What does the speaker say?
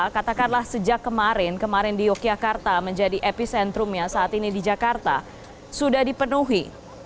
katakanlah sejak kemarin kemarin di yogyakarta menjadi epicentrumnya saat ini di jakarta sudah dipenuhi